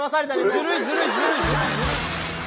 ずるいずるいずるい！